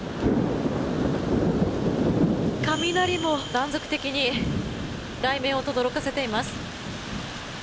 雷も断続的に雷鳴をとどろかせています。